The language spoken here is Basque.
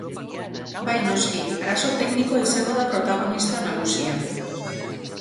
Bai noski, arazo teknikoa izango da protagonista nagusia.